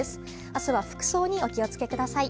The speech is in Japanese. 明日は服装にお気を付けください。